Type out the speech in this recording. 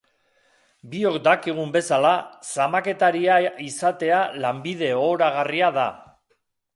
Biok dakigun bezala, zamaketaria izatea lanbide ohoragarria da.